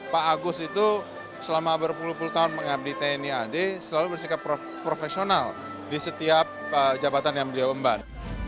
pak agus itu selama berpuluh puluh tahun mengabdi tni ad selalu bersikap profesional di setiap jabatan yang beliaumban